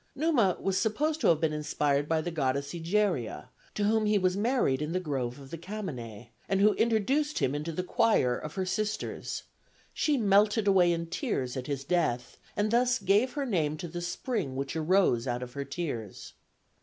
Numa was supposed to have been inspired by the goddess. Egeria, to whom he was married in the grove of the Camenæ, and who introduced him into the choir of her sisters; she melted away in tears at his death, and thus gave her name to the spring which arose out of her tears.